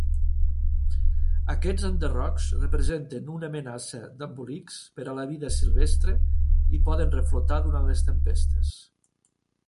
Aquests enderrocs representen una amenaça d'embolics per a la vida silvestre i poden reflotar durant les tempestes.